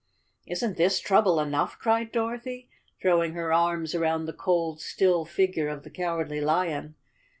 "Isn't this trouble enough?" cried Dorothy, throw¬ ing her arms around the cold, still figure of the Cow¬ ardly Lion.